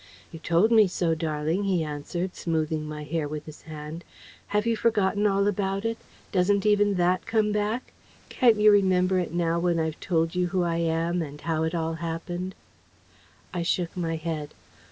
"You told me so, darling," he answered, smoothing my hair with his hand. "Have you forgotten all about it? Doesn't even that come back? Can't you remember it now, when I've told you who I am and how it all happened?" I shook my head.